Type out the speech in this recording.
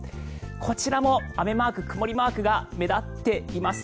こちらも雨マーク、曇りマークが目立っています。